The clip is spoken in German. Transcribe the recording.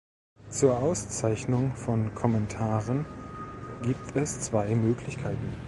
Zur Auszeichnung von Kommentaren gibt es zwei Möglichkeiten.